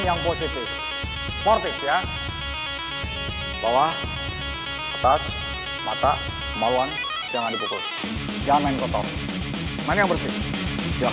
yang positif sportif ya bawah atas mata mauan jangan dipukul jangan main kotor mana yang bersih yang